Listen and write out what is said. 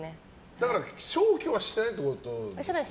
だから消去はしてないってことですね。